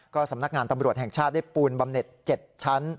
สำนักงานตำรวจแห่งชาติได้ปูนบำเน็ต๗ชั้น